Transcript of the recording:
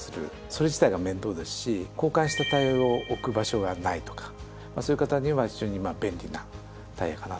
それ自体が面倒ですし交換したタイヤを置く場所がないとかそういう方には非常に便利なタイヤかなと。